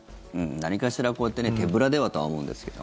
何かしら、こうやってね手ぶらではとは思うんですけど。